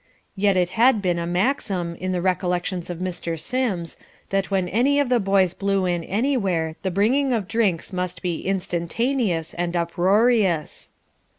Yet it had been a maxim, in the recollections of Mr. Sims, that when any of the boys blew in anywhere the bringing of drinks must be instantaneous and uproarious.